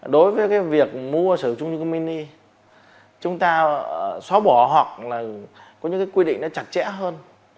đối với việc mua trung cư mini chúng ta xóa bỏ hoặc là có những quy định chặt chẽ hơn